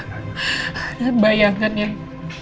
ada bayangan yang